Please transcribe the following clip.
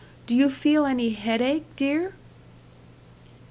Do you feel any headache, dear?"